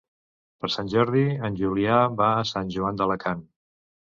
Per Sant Jordi en Julià va a Sant Joan d'Alacant.